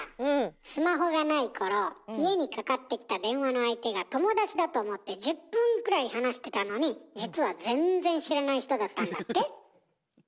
スマホがない頃家にかかってきた電話の相手が友達だと思って１０分くらい話してたのに実は全然知らない人だったんだって？